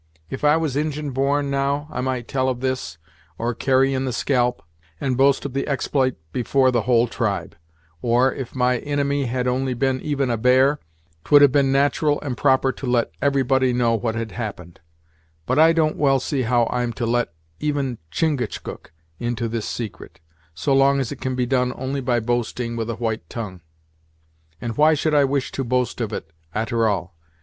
If I was Injin born, now, I might tell of this, or carry in the scalp, and boast of the expl'ite afore the whole tribe; or, if my inimy had only been even a bear, 'twould have been nat'ral and proper to let everybody know what had happened; but I don't well see how I'm to let even Chingachgook into this secret, so long as it can be done only by boasting with a white tongue. And why should I wish to boast of it a'ter all?